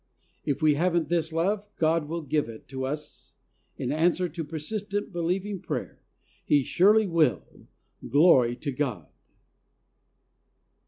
If we haven't this love, God will give it to us in answer to persistent, believing prayer. He surely will. Glory to God